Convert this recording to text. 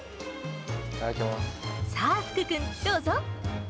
さあ、福君、どうぞ。